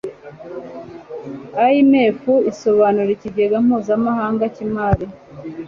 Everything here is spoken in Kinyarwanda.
IMF isobanura Ikigega Mpuzamahanga cy'Imari